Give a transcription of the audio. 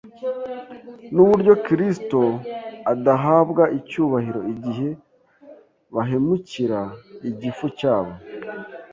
n’uburyo Kristo adahabwa icyubahiro igihe bahemukira igifu cyabo,